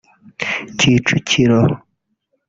Kicukiro